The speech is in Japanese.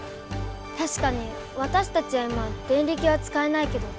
たしかにわたしたちは今デンリキはつかえないけど。